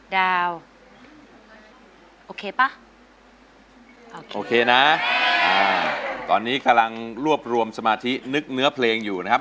ดาวโอเคป่ะโอเคนะตอนนี้กำลังรวบรวมสมาธินึกเนื้อเพลงอยู่นะครับ